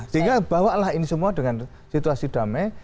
sehingga bawa lah ini semua dengan situasi damai